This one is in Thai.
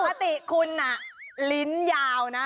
ปกติคุณลิ้นยาวนะ